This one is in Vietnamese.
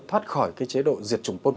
thoát khỏi cái chế độ diệt chủng